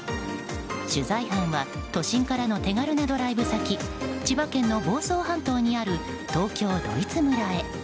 取材班は都心からの手軽なドライブ先千葉県の房総半島にある東京ドイツ村へ。